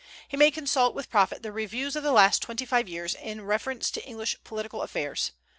He may consult with profit the Reviews of the last twenty five years in reference to English political affairs.